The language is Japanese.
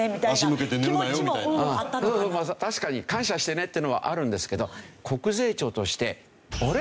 確かに「感謝してね」っていうのはあるんですけど国税庁として「あれ？